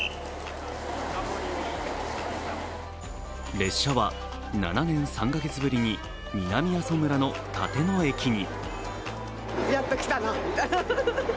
列車は７年３か月ぶりに南阿蘇村の立野駅に。